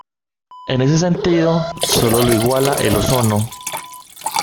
En este sentido, solo lo iguala el ozono.